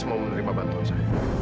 saya mau menerima bantuan saya